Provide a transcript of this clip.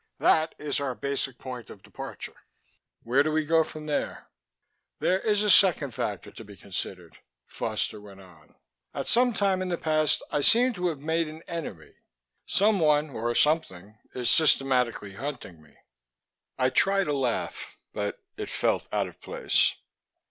That is our basic point of departure." "Where do we go from there?" "There is a second factor to be considered," Foster went on. "At some time in the past I seem to have made an enemy. Someone, or something, is systematically hunting me." I tried a laugh, but it felt out of place.